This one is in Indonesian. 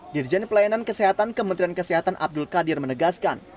dirjen pelayanan kesehatan kementerian kesehatan abdul qadir menegaskan